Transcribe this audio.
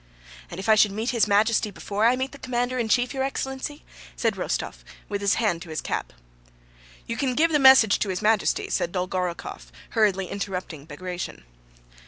"And if I should meet His Majesty before I meet the commander in chief, your excellency?" said Rostóv, with his hand to his cap. "You can give the message to His Majesty," said Dolgorúkov, hurriedly interrupting Bagratión.